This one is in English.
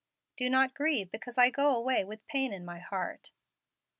Do not grieve because I go away with pain in my heart.